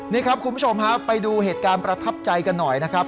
นี่ครับคุณผู้ชมฮะไปดูเหตุการณ์ประทับใจกันหน่อยนะครับ